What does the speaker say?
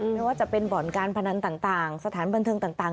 ไม่ว่าจะเป็นบ่อนการพนันต่างสถานบันเทิงต่าง